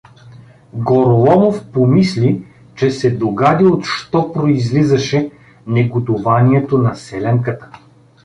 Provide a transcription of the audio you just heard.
Гороломов помисли, че се догади от що произлизаше негодуванието на селянката.